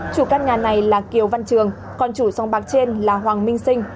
chủ căn nhà này là kiều văn trường còn chủ song bạc trên là hoàng minh sinh